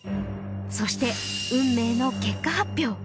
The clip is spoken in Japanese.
そして運命の結果発表